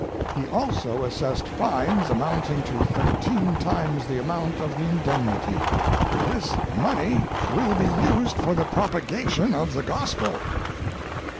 He also assessed fines amounting to THIRTEEN TIMES the amount of the indemnity. This money will be used for the propagation of the Gospel.